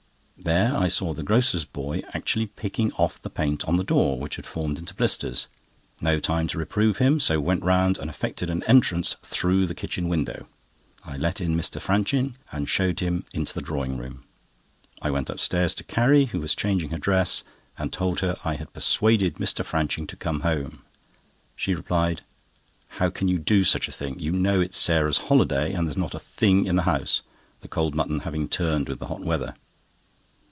There I saw the grocer's boy actually picking off the paint on the door, which had formed into blisters. No time to reprove him; so went round and effected an entrance through the kitchen window. I let in Mr. Franching, and showed him into the drawing room. I went upstairs to Carrie, who was changing her dress, and told her I had persuaded Mr. Franching to come home. She replied: "How can you do such a thing? You know it's Sarah's holiday, and there's not a thing in the house, the cold mutton having turned with the hot weather."